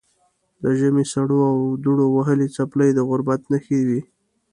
د ژمي سړو او دوړو وهلې څپلۍ د غربت نښې وې.